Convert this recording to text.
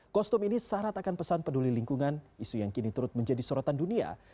kostum ini syarat akan pesan peduli lingkungan isu yang kini turut menjadi sorotan dunia